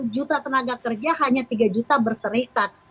lima puluh juta tenaga kerja hanya tiga juta berserikat